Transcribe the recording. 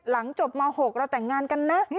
หลังจบม๖เราแต่งงานกันนะ